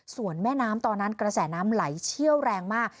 ส่วนแม่น้ำตอนนั้นกระแสน้ำไหลเชี่ยวแรงมาก